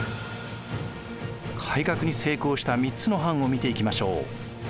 改革に成功した３つの藩を見ていきましょう。